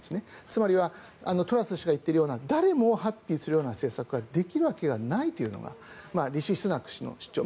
つまりはトラス氏が言っているような誰もがハッピーにする政策ができるわけがないというのがリシ・スナク氏の主張。